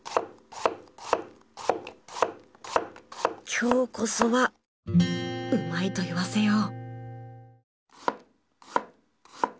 今日こそはうまいと言わせよう。